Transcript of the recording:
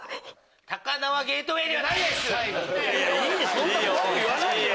そんな怖く言わないでよ！